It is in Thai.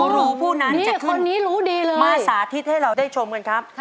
รู้พูดนั้นจะขึ้นมาสาธิตให้เราได้ชมกันครับโอ้โฮนี่คนนี้รู้ดีเลย